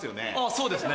そうですね。